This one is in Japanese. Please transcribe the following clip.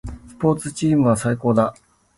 チームスポーツは最高だ。